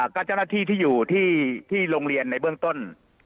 ก็เจ้าหน้าที่ที่อยู่ที่โรงเรียนในเบื้องต้น